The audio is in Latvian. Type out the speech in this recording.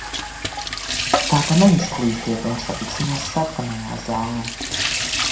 Tā ka neizklīstiet, un satiksimies Sarkanajā zālē!